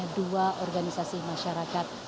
kedua organisasi masyarakat